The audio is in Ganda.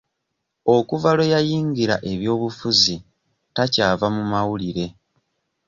Okuva lwe yayingira ebyobufuzi takyava mu mawulire.